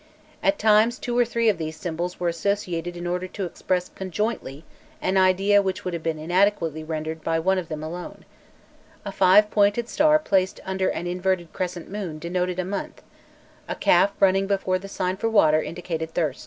At times two or three of these symbols were associated in order to express conjointly an idea which would have been inadequately rendered by one of them alone: a five pointed star placed under an inverted crescent moon denoted a month, a calf running before the sign for water indicated thirst.